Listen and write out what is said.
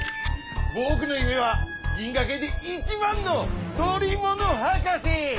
ぼくのゆめはぎんがけいでいちばんののりものはかせ！